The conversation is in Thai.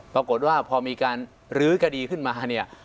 ปรากฏว่าพอมีการลื้อคดีขึ้นมาเนี่ย